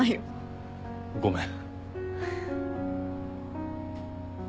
ごめん。